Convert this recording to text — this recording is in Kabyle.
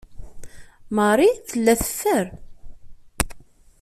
Marie tella teffer.